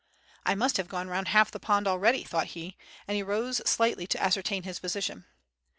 "1 must have gone round half the pond already," thought he, and he rose slightly to ascertain his position.